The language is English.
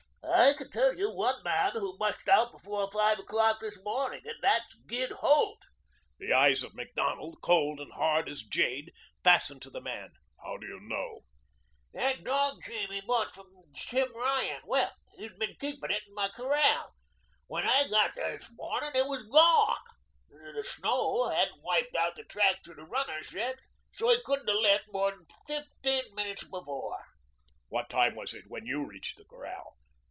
"I can tell you one man who mushed out before five o'clock this morning and that's Gid Holt." The eyes of Macdonald, cold and hard as jade, fastened to the man. "How do you know?" "That dog team he bought from Tim Ryan Well, he's been keeping it in my corral. When I got there this morning it was gone. The snow hadn't wiped out the tracks of the runners yet, so he couldn't have left more than fifteen minutes before." "What time was it when you reached the corral?"